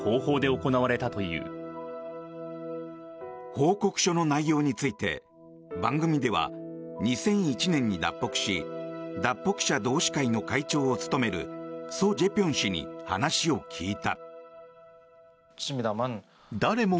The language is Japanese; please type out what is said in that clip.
報告書の内容について番組では、２００１年に脱北し脱北者同志会の会長を務めるソ・ジェピョン氏に話を聞いた。